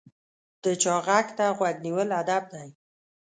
د چا غږ ته غوږ نیول ادب دی.